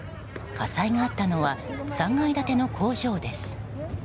火災があったのは３階建ての工場です。